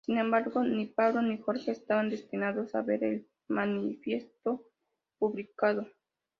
Sin embargo, ni Pablo ni Jorge estaban destinados a ver el manifiesto publicado.